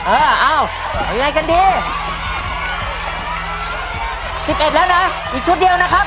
เอออ้าวยังไงกันดีสิบเอ็ดแล้วนะอีกชุดเดียวนะครับ